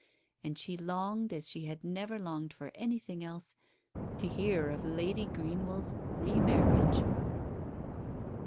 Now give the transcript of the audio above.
But she longed as she had never longed for anything else, to hear of Lady Greenwell's remarriage.